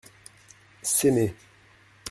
S’aimer.